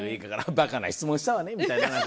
「ばかな質問したわね」みたいな。